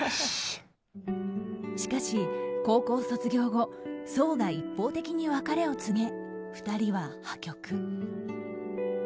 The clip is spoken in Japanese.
しかし高校卒業後想が一方的に別れを告げ２人は破局。